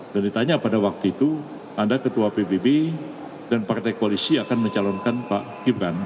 dan ditanya pada waktu itu anda ketua pbb dan partai koalisi akan mencalonkan pak gibran